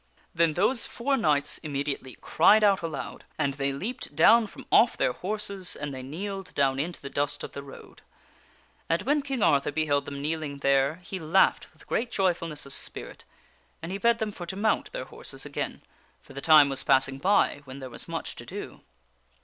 Then those four knights immediately cried out aloud; and they leaped down from off their horses, and they kneeled down into the dust of the road. And when King Arthur beheld them kneeling there, he laughed t22 THE WINNING OF A QUEEN with great joyfulness of spirit, and he bade them for to mount their horses again, for the time was passing by when there was much to do.